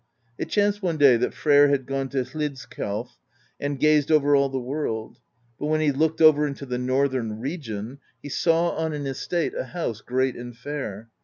It chanced one day that Freyr had gone to Hlidskjalf, and gazed over all the world; but when he looked over into the northern region, he saw on an estate a house great and fair.